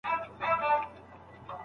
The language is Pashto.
باسی او خراب شوي خواړه مه خورئ.